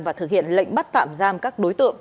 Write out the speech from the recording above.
và thực hiện lệnh bắt tạm giam các đối tượng